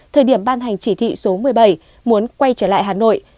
thời điểm ban hành chỉ thị số một mươi bảy muốn quay trở lại hà nội